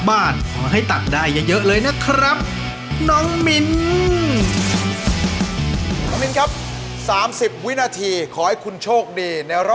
มันต้องได้อย่างเดียวเลยนะ